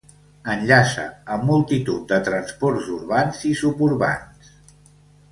Enllaça amb multitud de transports urbans i suburbans.